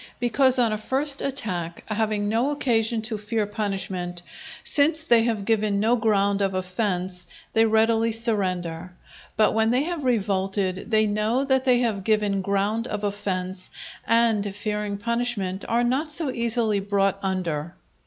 Because on a first attack, having no occasion to fear punishment, since they have given no ground of offence, they readily surrender; but when they have revolted, they know that they have given ground of offence, and, fearing punishment, are not so easily brought under.